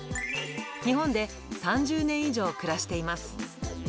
日本で３０年以上暮らしています。